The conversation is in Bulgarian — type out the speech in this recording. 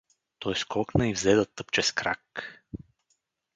Той скокна и взе да тъпче с крак.